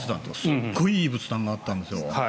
すごくいい仏壇があったんですよ。